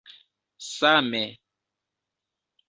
same